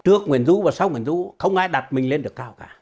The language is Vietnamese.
trước nguyện rũ và sau nguyện rũ không ai đặt mình lên được cao cả